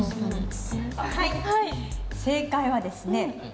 はい正解はですね